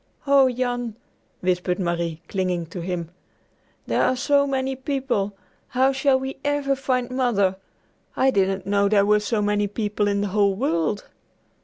"Oh, Jan," whispered Marie clinging to him, "there are so many people! How shall we ever find Mother? I didn't know there were so many people in the whole world."